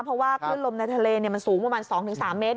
เพราะว่าคลื่นลมในทะเลมันสูงประมาณ๒๓เมตร